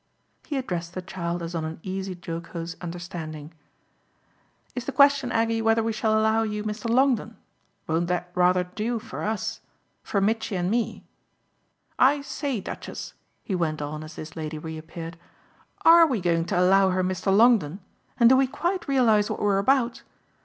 He addressed the child as on an easy jocose understanding. "Is the question, Aggie, whether we shall allow you Mr. Longdon? Won't that rather 'do' for us for Mitchy and me? I say, Duchess," he went on as this lady reappeared, "ARE we going to allow her Mr. Longdon and do we quite realise what we're about?